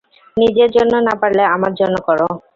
নিজের জন্য না পারলে, আমার জন্য কর।